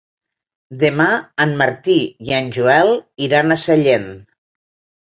Demà en Martí i en Joel iran a Sallent.